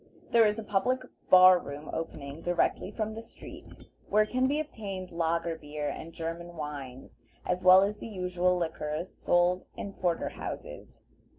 There is a public bar room opening directly from the street, where can be obtained lager beer and German wines, as well as the usual liquors sold in porter houses.